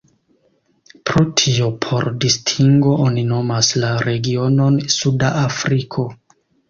Pro tio por distingo oni nomas la regionon "Suda Afriko".